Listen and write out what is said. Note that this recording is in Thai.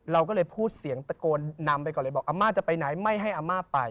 เราก็เลยพูดเสียงตะโกนนำไปก่อนเลยบอกอาม่าจะไปไหนไม่ให้อาม่าไป